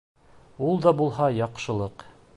Ул да булһа яҡшылыҡ.